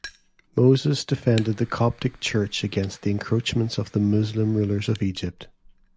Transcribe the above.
Moses defended the Coptic church against the encroachments of the Muslim rulers of Egypt.